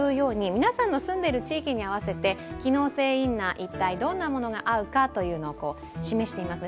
皆さんの住んでいる地域に合わせて、機能性インナー一体どんなものが合うかというのを示しています。